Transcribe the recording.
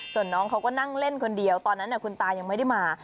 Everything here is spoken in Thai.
ส่วนน้องเขาก็นั่งเล่นคนเดียวตอนนั้นคุณตายังไม่ได้มา